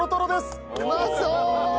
うまそう！